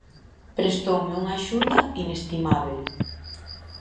Prestoume unha axuda inestimábel.